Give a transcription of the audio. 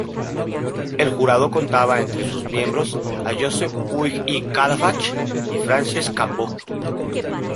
El jurado contaba entre sus miembros a Josep Puig i Cadafalch y Francesc Cambó.